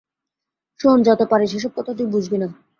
শোন যত পারিস, এসব কথা তুই বুঝবি না।